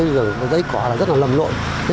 và dây cỏ rất là lầm lội